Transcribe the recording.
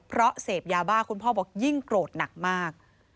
เพราะเสพยาบ้าคุณพ่อบอกยิ่งโกรธหนักมาก